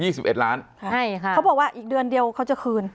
สิบเอ็ดล้านใช่ค่ะเขาบอกว่าอีกเดือนเดียวเขาจะคืน